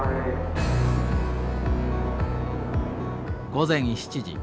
午前７時。